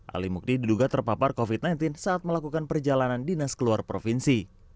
ali mukti diduga terpapar covid sembilan belas saat melakukan perjalanan dinas keluar provinsi